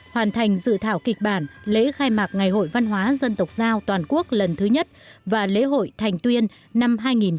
hoàn thành dự thảo kịch bản lễ khai mạc ngày hội văn hóa dân tộc giao toàn quốc lần thứ nhất và lễ hội thành tuyên năm hai nghìn một mươi chín